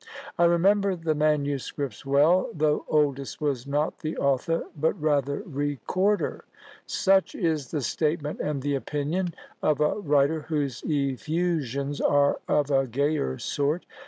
I remember the manuscripts well; though Oldys was not the author, but rather recorder." Such is the statement and the opinion of a writer whose effusions are of a gayer sort.